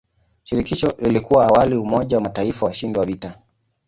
Shirikisho lilikuwa awali umoja wa mataifa washindi wa vita.